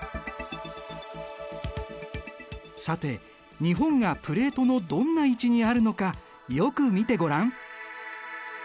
さて日本がプレートのどんな位置にあるのかよく見てごらん。